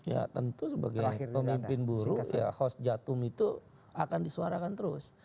ya tentu sebagai pemimpin buruh ya khusyatum itu akan disuarakan terus